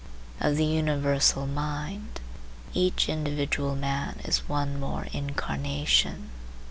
Of the universal mind each individual man is one more incarnation.